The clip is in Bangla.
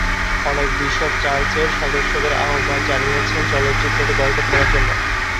অনেক বিশপ চার্চের সদস্যদের আহ্বান জানিয়েছেন চলচ্চিত্রটি বয়কট করার জন্য।